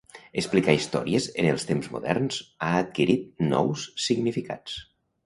Explicar històries en els temps moderns ha adquirit nous significats.